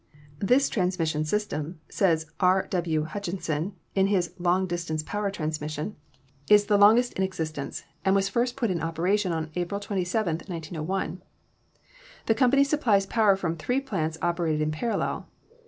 "This transmission system," says R. W. Hutchinson, in his 'Long Distance Power Transmission/ "is the longest in POWER TRANSMISSION 221 existence, and was first put in operation on April 27, 1901. The company supplies power from three plants operated in parallel.